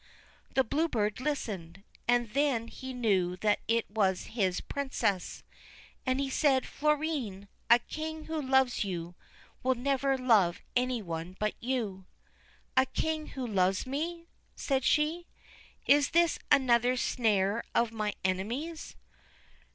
The Blue Bird listened, and then he knew that it was his Princess, and he said :' Florine, a King who loves you will never love any one but you.' 'A King who loves me!' said she. 'Is this another snare of my enemies?'